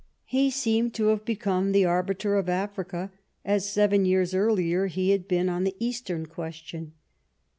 He seemed to have become the arbiter of Africa, as, seven years earlier, he had been on the Eastern question.